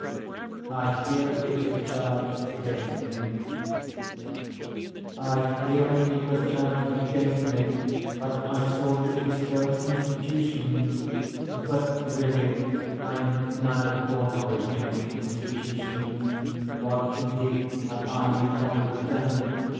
I Hear It Was Charged Against Me I hear it was charged against me that I sought to destroy institutions, But really I am neither for nor against institutions, (What indeed have I in common with them?